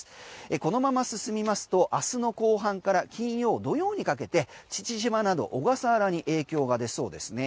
このまま進みますと明日の後半から金曜、土曜にかけて父島など小笠原に影響が出そうですね。